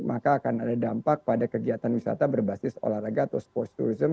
maka akan ada dampak pada kegiatan wisata berbasis olahraga atau sports tourism